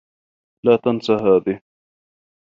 لا تنس هذه.